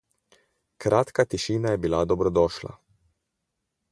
Kratka tišina je bila dobrodošla.